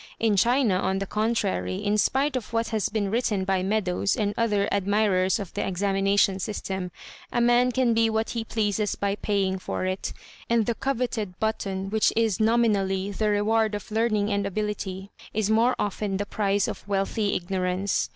In China, on the contrary, in spite of what has been written by Meadows and other admirers of the examination system, a man can be what he pleases by paying for it; and the coveted button, which is nominally the reward of learning and ability, is more often the prize of wealthy ignorance.